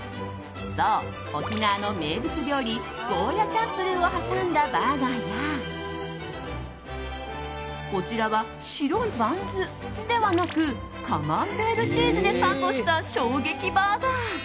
そう、沖縄の名物料理ゴーヤチャンプルーを挟んだバーガーやこちらは白いバンズではなくカマンベールチーズでサンドした衝撃バーガー。